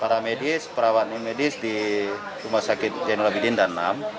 para medis perawatani medis di rsud zainul abidin dan enam